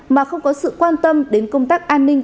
mà không có sự quan tâm đến công tác an ninh